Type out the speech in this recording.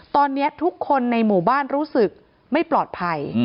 ตอนนี้ทุกคนในหมู่บ้านรู้สึกไม่ปลอดภัย